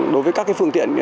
đối với các phương tiện